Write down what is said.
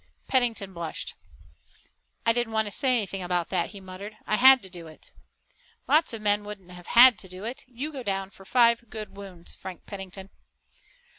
Pennington blushed. "I didn't want to say anything about that," he muttered. "I had to do it." "Lots of men wouldn't have had to do it. You go down for five good wounds, Frank Pennington."